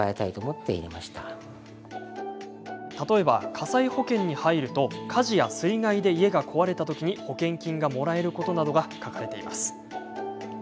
例えば火災保険に入ると火事や水害で家が壊れたときに保険金がもらえることなどが書かれています。